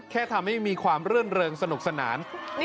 แค่ทำให้มีความรื่นเริงสนุกสนาน